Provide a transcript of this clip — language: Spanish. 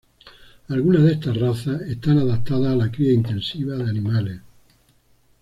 Algunas de estas razas están adaptadas a la cría intensiva de animales.